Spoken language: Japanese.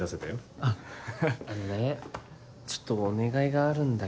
あのねちょっとお願いがあるんだけど。